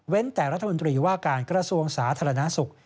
แต่รัฐมนตรีว่าการกระทรวงสาธารณสุข